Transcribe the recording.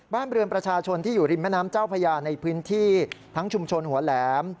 บ้านเรือนประชาชนที่อยู่ริมแม่น้ำเจ้าพญาในพื้นที่ทั้งชุมชนหัวแหลม